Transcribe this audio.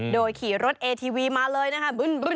โดยขี่รถเอทีวีมาเลยนะคะ